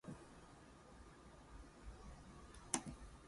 It is a typical salt, forming neutral aqueous solutions.